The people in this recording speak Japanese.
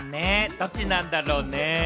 どっちなんだろうね？